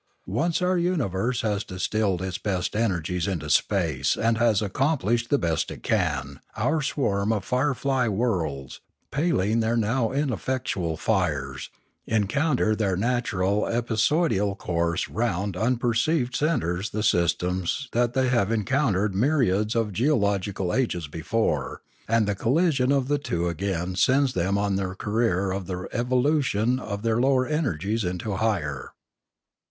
Once our uni verse has distilled its best energies into space and has accomplished the best it can, our swarm of firefly worlds " paling their now ineffectual fires" encounter in their natural epicycloidal course round unperceived centres the systems that they have encountered myr iads of geological ages before; and the collision of the two again sends them on their career of the evolution of their lower energies into higher.